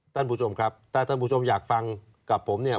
ท่านผู้ชมครับถ้าท่านผู้ชมอยากฟังกับผมเนี่ย